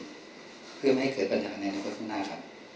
ทุกคนเพื่อไม่ให้เกิดปัญหาในโลกข้างหน้าครับ